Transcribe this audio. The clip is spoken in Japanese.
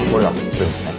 これですね。